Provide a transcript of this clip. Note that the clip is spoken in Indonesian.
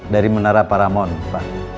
dari menara paramon pak